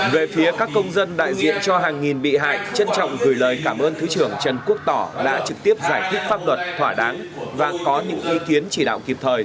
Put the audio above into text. về phía các công dân đại diện cho hàng nghìn bị hại trân trọng gửi lời cảm ơn thứ trưởng trần quốc tỏ đã trực tiếp giải thích pháp luật thỏa đáng và có những ý kiến chỉ đạo kịp thời